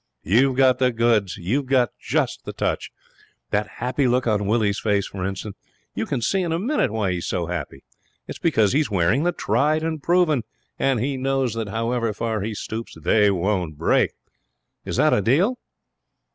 You've got the goods. You've got just the touch. That happy look on Willie's face, for instance. You can see in a minute why he's so happy. It's because he's wearing the Tried and Proven, and he knows that however far he stoops they won't break. Is that a deal?'